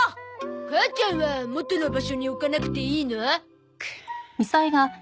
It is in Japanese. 母ちゃんは元の場所に置かなくていいの？くっ！